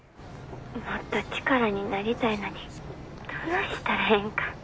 もっと力になりたいのにどないしたらええんか。